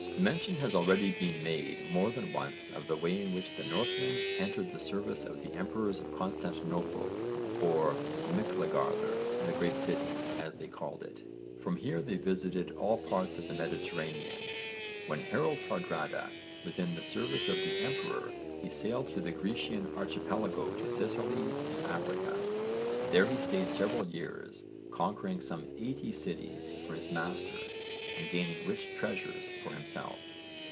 Mention has already been made more than once of the way in which the Northmen entered the service of the emperors at Constantinople or Miklagarðr, 'the great city,' as they called it. From here they visited all parts of the Mediterranean. When Harold Hardrada was in the service of the emperor he sailed through the Grecian archipelago to Sicily and Africa. There he stayed several years, conquering some eighty cities for his master and gaining rich treasures for himself.